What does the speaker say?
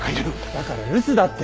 だから留守だって。